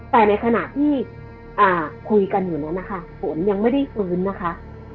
แต่ในขณะที่คุยกันอยู่นั้นนะคะฝนยังไม่ได้ฟื้นนะคะ